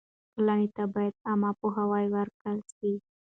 ټولنې ته باید عامه پوهاوی ورکړل سي.